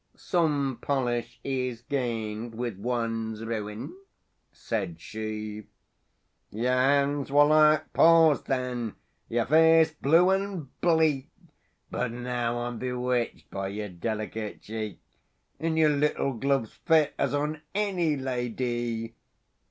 — "Some polish is gained with one's ruin," said she. —"Your hands were like paws then, your face blue and bleak, But now I'm bewitched by your delicate cheek, And your little gloves fit as on any la dy!"